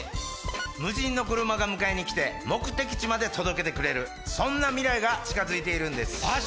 無人の車が迎えに来て目的地まで届けてくれるそんな未来が近づいているんですマジ